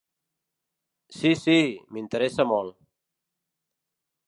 Sí sí, m'interessa molt.